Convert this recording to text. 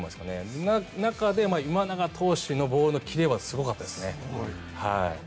その中で今永投手のボールのキレはすごかったですね。